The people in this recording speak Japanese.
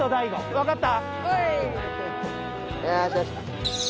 わかった？